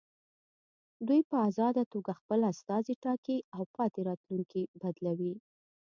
دوی په ازاده توګه خپل استازي ټاکي او پاتې راتلونکي بدلوي.